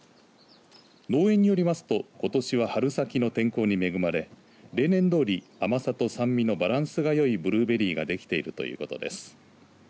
農園によりますと、ことしは春先の天候に恵まれ例年どおり甘さと酸味のバランスがよいブルーベリーができているということです。